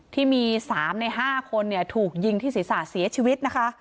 ที่มี๓ใน๕คนถูกยิงที่ศีรษะเสียชีวิตนะคะ